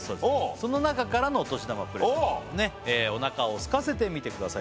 その中からのお年玉プレゼントおなかをすかせて見てください